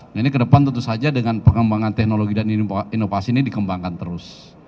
nah ini ke depan tentu saja dengan pengembangan teknologi dan inovasi ini dikembangkan terus